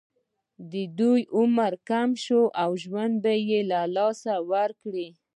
د دوی عمر کم شو او ژوند یې له لاسه ورکړ.